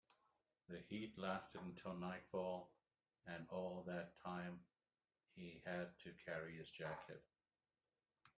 The heat lasted until nightfall, and all that time he had to carry his jacket.